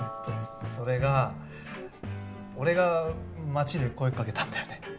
それが俺が街で声掛けたんだよね。